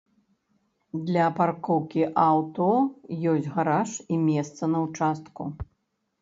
Для паркоўкі аўто ёсць гараж і месца на ўчастку.